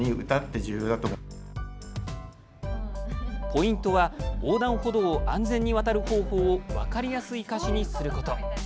ポイントは横断歩道を安全に渡る方法を分かりやすい歌詞にすること。